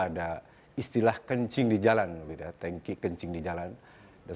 ada istilah kencing di jalan tanki kencing di jalan